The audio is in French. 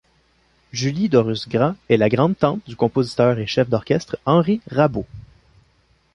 Julie Dorus-Gras est la grand-tante du compositeur et chef d’orchestre Henri Rabaud.